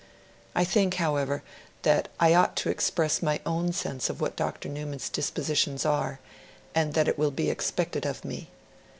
I think, however, that I ought to express my own sense of what Dr. Newman's dispositions are, and that it will be expected of me